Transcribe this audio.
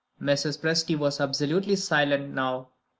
Mrs. Presty was absolutely silent now.